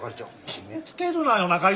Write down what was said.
決めつけるなよ仲井戸！